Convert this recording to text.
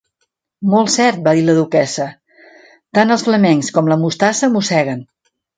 "Molt cert", va dir la duquessa: "tant els flamencs com la mostassa mosseguen".